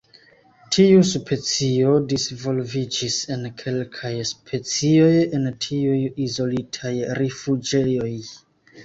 Tiu specio disvolviĝis en kelkaj specioj en tiuj izolitaj rifuĝejoj.